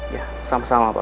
ya sama sama pak